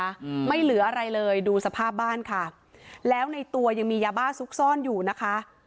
อืมไม่เหลืออะไรเลยดูสภาพบ้านค่ะแล้วในตัวยังมียาบ้าซุกซ่อนอยู่นะคะ